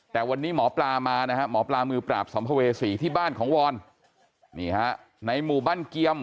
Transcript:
แต่วันนี้หมอปลามานะฮะหมอปลามือปราบสัมภเวษีที่บ้านของวรนี่ฮะในหมู่บ้านเกียม